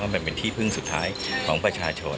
มันเป็นที่พึ่งสุดท้ายของประชาชน